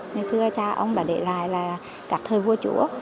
ngày xưa cha ông đã để lại là các thời vua chúa